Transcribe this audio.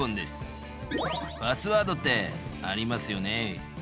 パスワードってありますよね。